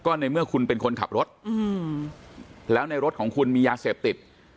ในเมื่อคุณเป็นคนขับรถแล้วในรถของคุณมียาเสพติด